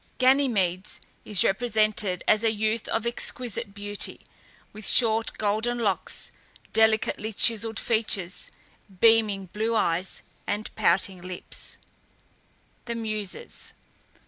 Ganymedes is represented as a youth of exquisite beauty, with short golden locks, delicately chiselled features, beaming blue eyes, and pouting lips. THE MUSES.